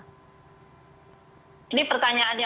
sejauh ini bagaimana cnn indonesia menanggapi hal tersebut